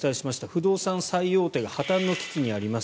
不動産最大手が破綻の危機にあります。